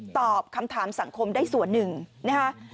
ตอบคำถามสังคมได้ส่วนหนึ่งนะคะ